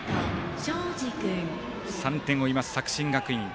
３点を追います、作新学院。